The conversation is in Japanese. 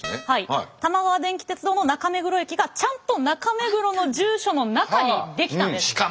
はい玉川電気鉄道の中目黒駅がちゃんと中目黒の住所の中に出来たんです。